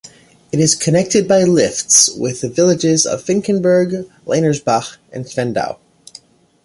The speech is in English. It is connected by lifts with the villages of Finkenberg, Lanersbach and Schwendau.